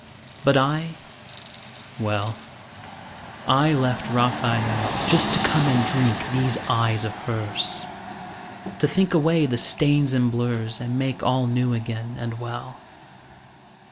But I, well, I left Raphael Just to come drink these eyes of hers, To think away the stains and blurs And make all new again and well.